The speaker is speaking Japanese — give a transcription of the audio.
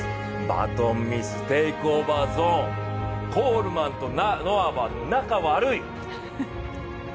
バトンミス、テイク・オーバー・ゾーン、コールマンとノアは仲が悪い。